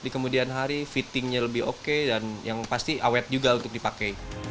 di kemudian hari fittingnya lebih oke dan yang pasti awet juga untuk dipakai